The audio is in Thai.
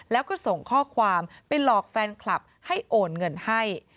แล้วก็ส่งข้อความไปหลอกแฟนคลับให้โอนเงินให้